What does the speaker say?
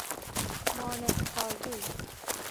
مانع سازی